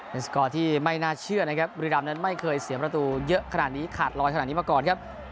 เป็นสกอร์ที่ไม่น่าเชื่อนะครับบุรีรำนั้นไม่เคยเสียประตูเยอะขนาดนี้ขาดลอยขนาดนี้มาก่อนครับ